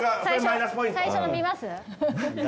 最初の見ます？